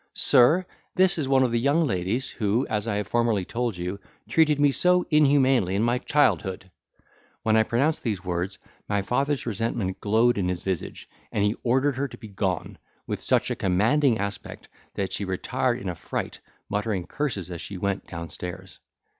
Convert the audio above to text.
Sir, this is one of the young ladies, who (as I have formerly told you) treated me so humanely in my childhood!" When I pronounced these words, my father's resentment glowed in his visage, and he ordered her to be gone, with such a commanding aspect, that she retired in a fright, muttering curses as she went downstairs.